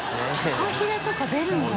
フカヒレとか出るんだ。